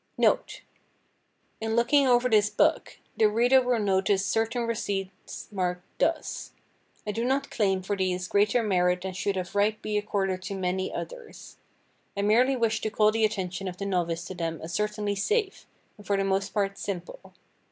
NOTE. In looking over this book the reader will notice certain receipts marked thus—✠. I do not claim for these greater merit than should of right be accorded to many others. I merely wish to call the attention of the novice to them as certainly safe, and for the most part simple.